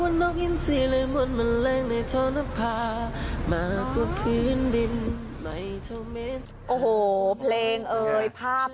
โอ้โหเพลงเอ่ยภาพน้ำท่วมเอ่ย